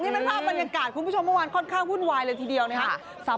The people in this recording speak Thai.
นี่เป็นภาพบรรยากาศคุณผู้ชมเมื่อวานค่อนข้างวุ่นวายเลยทีเดียวนะครับ